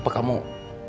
aku sudah buruk